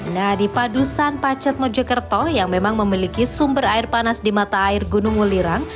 nah di padusan pacet mojokerto yang memang memiliki sumber air panas di mata air gunung ngulirang